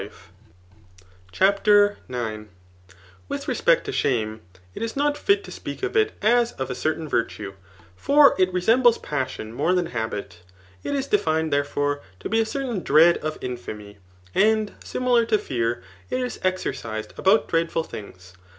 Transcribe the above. Digitized by Google Ci^AP, l^t ^THIpS, 149 CHAPTER IX With reBpect to shame, it is not fit to speak of it a$< of a certain virtue ; for it resembles passion more than hs^it. It is defined, therefore, to be a certain dread of infamy ; and, similar to fear, it is exercised about dread* ful things.